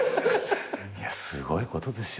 すごいことですよ